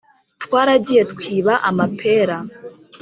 Twaragiye twiba amapera